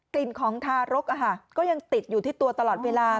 กลิ่นของทารกก็ยังติดอยู่ที่ตัวตลอดเวลา